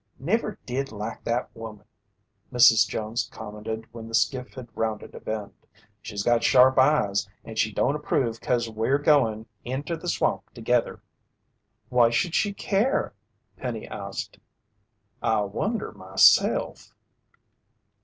"Never did like that woman," Mrs. Jones commented when the skiff had rounded a bend. "She's got sharp eyes, and she don't approve 'cause we're goin' inter the swamp together." "Why should she care?" Penny asked. "I wonder myself."